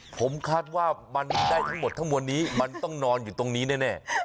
ผมคาดว่ามันได้ทั้งหมดทั้งมวลนี้มันต้องนอนอยู่ตรงนี้แน่